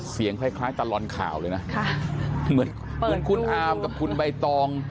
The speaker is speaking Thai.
เสียงคล้ายคล้ายตะลอนข่าวเลยนะค่ะเหมือนคุณอามกับคุณใบตอง